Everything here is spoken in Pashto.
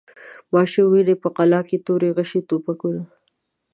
ماشوم ویني په قلا کي توري، غشي، توپکونه